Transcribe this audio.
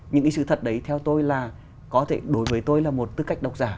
những cái sự thật đấy theo tôi là có thể đối với tôi là một tư cách độc giả